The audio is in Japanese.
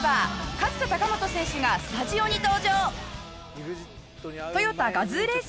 勝田貴元選手がスタジオに登場。